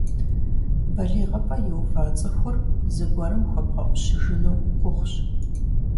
БалигъыпӀэ иува цӀыхур зыгуэрым хуэбгъэӀущыжыну гугъущ.